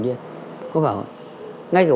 rất là cây cháu